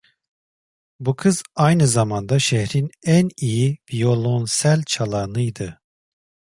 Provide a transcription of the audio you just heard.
Bu kız aynı zamanda şehrin en iyi viyolonsel çalanıydı.